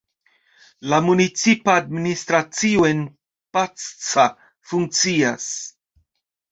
La municipa administracio en Pacsa funkcias.